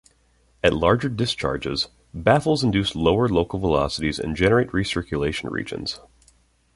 At larger discharges, baffles induce lower local velocities and generate recirculation regions.